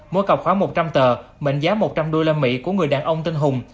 mua cọc khoá một trăm linh tờ mệnh giá một trăm linh đô la mỹ của người đàn ông tên hùng